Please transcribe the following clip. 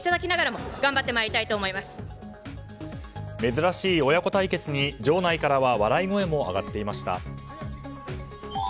珍しい親子対決に、場内からは笑い声も上がっていました。